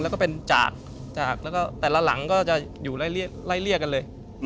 แล้วก็เป็นจากแล้วก็แต่ละหลังก็จะอยู่ไล่เรียกกันเลย